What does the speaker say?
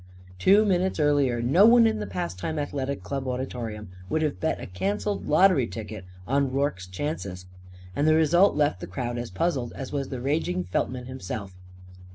Two minutes earlier, no one in the Pastime Athletic Club auditorium would have bet a cancelled lottery ticket on Rorke's chances. And the result left the crowd as puzzled as was the raging Feltman himself.